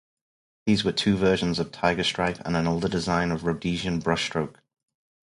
These were two versions of tigerstripe and an older design of Rhodesian Brushstroke.